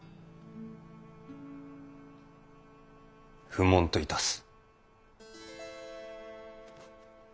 不問といたす。